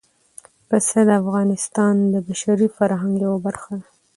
پسه د افغانستان د بشري فرهنګ یوه برخه ده.